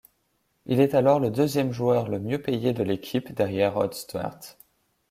Il est alors le deuxième joueur le mieux payé de l'équipe derrière Hod Stuart.